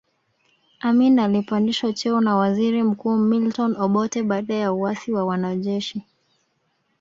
Amin alipandishwa cheo na waziri mkuu Milton Obote baada ya uasi wa wanajeshi